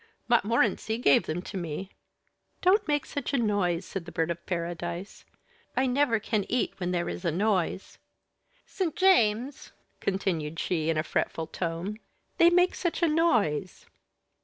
"Montmorency gave them to me." "Don't make such a noise," said the Bird of Paradise. "I never can eat when there is a noise. St. James," continued she, in a fretful tone, "they make such a noise!"